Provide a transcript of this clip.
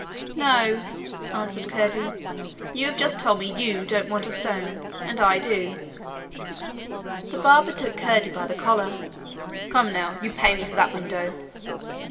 'No,' answered Curdie. 'You have just told me YOU don't want a stone, and I do.' The barber took Curdie by the collar. 'Come, now! You pay me for that window.'